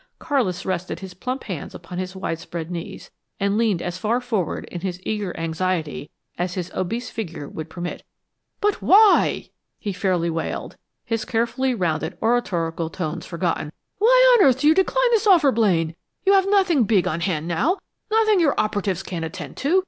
Carlis rested his plump hands upon his widespread knees, and leaned as far forward, in his eager anxiety, as his obese figure would permit. "But why?" he fairly wailed, his carefully rounded, oratorical tones forgotten. "Why on earth do you decline this offer, Blaine? You've nothing big on hand now nothing your operatives can't attend to.